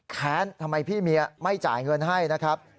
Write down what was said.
แค้นทำไมพี่เมียไม่จ่ายเงินให้นะครับ